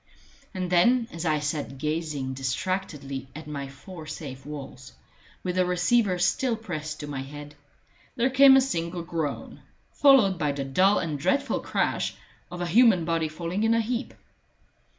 And then, as I sat gazing distractedly at my four safe walls, with the receiver still pressed to my head, there came a single groan, followed by the dull and dreadful crash of a human body falling in a heap.